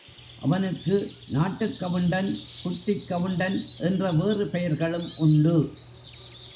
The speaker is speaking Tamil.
அவனுக்கு நாட்டுக் கவுண்டன், குட்டிக் கவுண்டன் என்ற வேறு பெயர்களும் உண்டு.